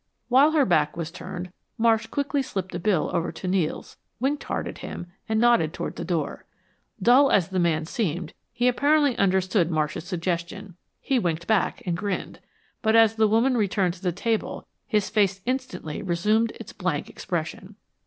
While her back was turned, Marsh quickly slipped a bill over to Nels, winked hard at him, and nodded toward the door. Dull as the man seemed, he apparently understood Marsh's suggestion. He winked back and grinned, but as the woman returned to the table his face instantly resumed its blank expression.